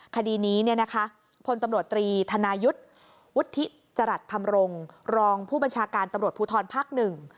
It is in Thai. คดีนี้พลตำรวจตรีธนายุทธิจรัทธรรมรงค์รองผู้บัญชาการตำรวจภูทรภักดิ์หนึ่ง